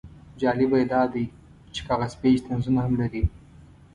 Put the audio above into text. جالبه یې دا دی چې کاغذ پیچ طنزونه هم لري.